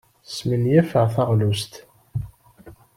Smenyafeɣ taɣlust.